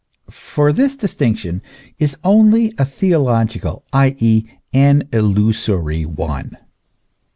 For this distinction is only a theological, i.e., an illusory one.